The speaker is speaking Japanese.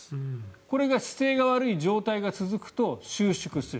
これが姿勢が悪い状態が続くと収縮する。